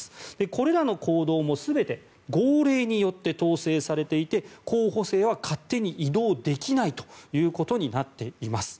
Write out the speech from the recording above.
これらの行動も全て号令によって統制されていて候補生は勝手に移動できないということになっています。